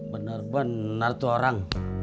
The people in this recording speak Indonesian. bener bener tuh orang